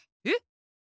えっ？